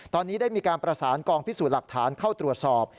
ตอนนี้ได้มีการประสานกองพิสูจน์หลักฐานเข้าตรวจสอบ